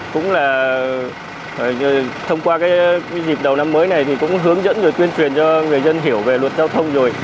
cũng là thông qua cái dịp đầu năm mới này thì cũng hướng dẫn rồi tuyên truyền cho người dân hiểu về luật giao thông rồi